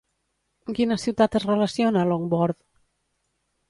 Amb quina ciutat es relaciona Llongborth?